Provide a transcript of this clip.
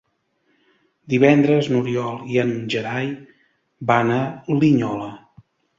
Divendres n'Oriol i en Gerai van a Linyola.